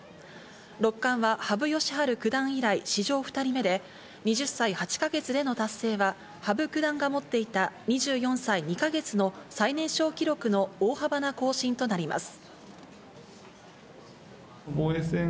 六冠は羽生善治九段以来、史上２人目で、２０歳８か月での達成は羽生九段が持っていた２４歳２か月の最年少記録の大幅な更新となります。